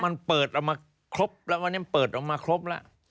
มันเปิดออกมาครบแล้ววันนี้มันเปิดออกมาครบแล้ว